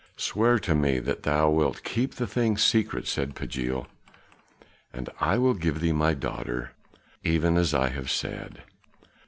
"Swear to me that thou wilt keep the thing secret," said Pagiel, "and I will give thee my daughter, even as I have said."